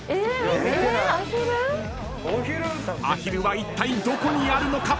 ［アヒルはいったいどこにあるのか？］